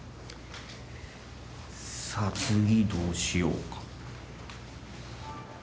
さあ次どうしようか。